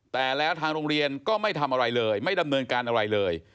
แต่แล้วทางโรงเรียนก็ไม่ทำอะไรเลยไม่ดำเนินการอะไรเลย